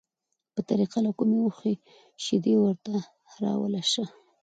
په طریقه له کومې اوښې شیدې ورته راولوشه،